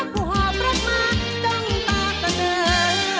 ผู้หอบรับมาจ้องตาตะเนื้อ